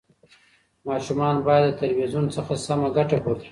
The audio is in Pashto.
ماشومان باید د تلویزیون څخه سمه ګټه پورته کړي.